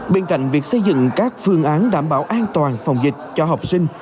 bên cạnh việc xây dựng các phương án đảm bảo an toàn phòng dịch cho học sinh